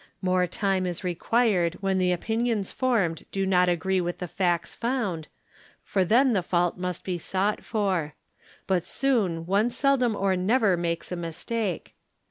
More time — is required when the opinions formed do not agree with the facts found, for then the fault must be sought for; but soon one seldom or never — makes a mistake.